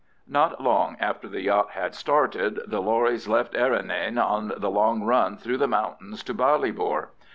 Not long after the yacht had started, the lorries left Errinane on the long run through the mountains to Ballybor.